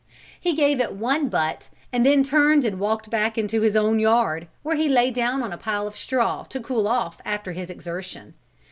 He gave it one butt and then turned and walked back into his own yard where he lay down on a pile of straw to cool off after his exertion.